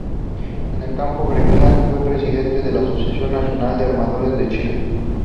En el campo gremial, fue presidente de la Asociación Nacional de Armadores de Chile.